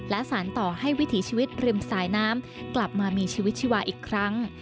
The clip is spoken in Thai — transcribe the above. และสารต่อให้วิถีชีวิตริมสายน้ำกลับมามีชีวิตชีวาอีกครั้ง